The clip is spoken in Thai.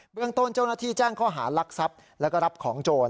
เรื่องต้นเจ้าหน้าที่แจ้งข้อหารักทรัพย์แล้วก็รับของโจร